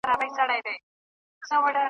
خرڅوم به یې شیدې مستې ارزاني .